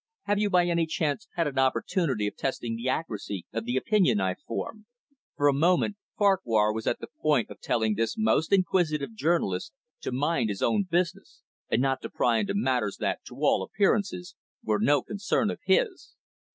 Have you by any chance had an opportunity of testing the accuracy of the opinion I formed?" For a moment Farquhar was at the point of telling this most inquisitive journalist to mind his own business, and not to pry into matters that, to all appearances, were no concern of his.